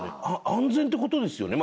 安全ってことですよね